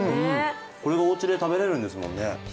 これがおうちで食べれるんですもんね。